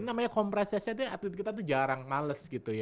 namanya kompresesnya atlet kita tuh jarang males gitu ya